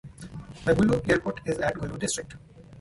The Gulu airport is at Gulu District.